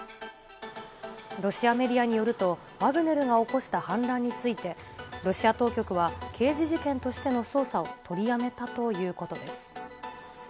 ロシアメディアによると、ワグネルが起こした反乱について、ロシア当局は刑事事件としての捜査を取りやめたということです。